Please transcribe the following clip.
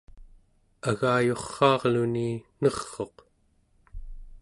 agayurraarluni ner'uq